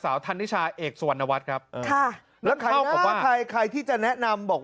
สาวทันทิชาเอกสวรรณวัตครับแล้วใครใครใครที่จะแนะนำบอก